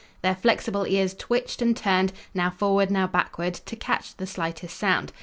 Their flexible ears twitched, and turned, now forward now backward, to catch the slightest sound.